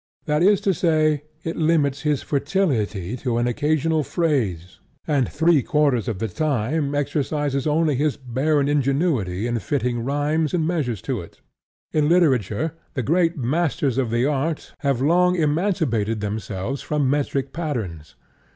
That is to say, it limits his fertility to an occasional phrase, and three quarters of the time exercises only his barren ingenuity in fitting rhymes and measures to it. In literature the great masters of the art have long emancipated themselves from metric patterns.